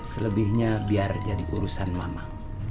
selebihnya biar jadi urusan mama